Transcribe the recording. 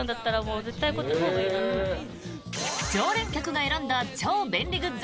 常連客が選んだ超便利グッズ